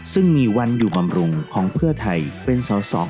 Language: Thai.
ซึ่งมีวันอยู่บำรุงของเพื่อไทยเป็นสอสอ